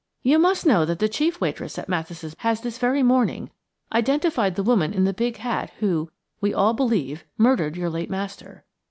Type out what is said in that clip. "You must know that the chief waitress at Mathis' has, this very morning, identified the woman in the big hat who, we all believe, murdered your late master.